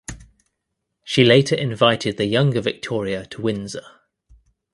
She later invited the younger Victoria to Windsor.